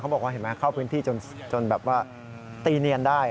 เขาบอกว่าเข้าพื้นที่จนแบบว่าตีเนียนได้